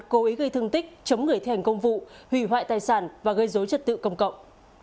cố ý gây thương tích chống người thi hành công vụ hủy hoại tài sản và gây dối trật tự công cộng